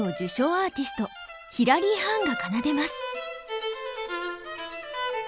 アーティストヒラリー・ハーンが奏でます。